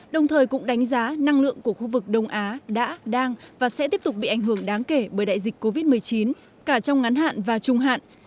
đồng thời cũng đánh giá năng lượng của khu vực đông á đã đang và sẽ tiếp tục bị ảnh hưởng đáng kể bởi đại dịch covid một mươi chín cả trong ngắn hạn và trung hạn